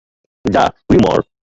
যা, তুই মর!